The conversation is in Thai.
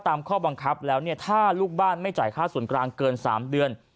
ข้อบังคับแล้วเนี่ยถ้าลูกบ้านไม่จ่ายค่าส่วนกลางเกิน๓เดือน